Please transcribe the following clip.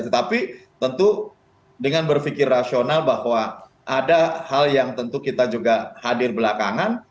tetapi tentu dengan berpikir rasional bahwa ada hal yang tentu kita juga hadir belakangan